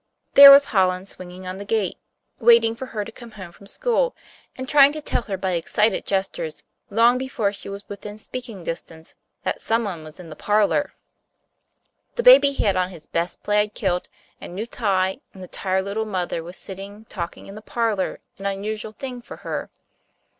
There was Holland swinging on the gate, waiting for her to come home from school, and trying to tell her by excited gestures, long before she was within speaking distance, that some one was in the parlor. The baby had on his best plaid kilt and new tie, and the tired little mother was sitting talking in the parlor, an unusual thing for her.